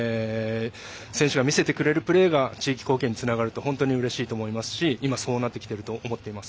選手が見せてくれるプレーが地域貢献につながると本当にうれしいと思いますし今そうなってきていると思います。